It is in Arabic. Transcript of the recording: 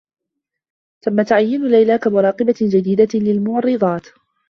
تمّ تعيين ليلى كمراقبة جديدة للممرّضات.